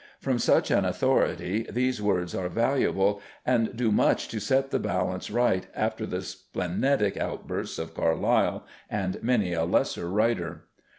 From such an authority these words are valuable and do much to set the balance right after the splenetic outbursts of Carlyle and many a lesser writer.